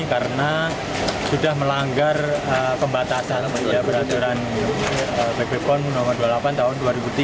karena sudah melanggar pembatasan peraturan bepom no dua puluh delapan tahun dua ribu tiga